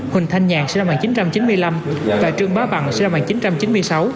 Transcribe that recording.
huỳnh thanh nhàn sinh năm một nghìn chín trăm chín mươi năm và trương bá bằng sinh năm một nghìn chín trăm chín mươi sáu